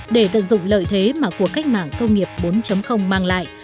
để tận dụng lợi thế mà cuộc cách mạng công nghiệp bốn mang lại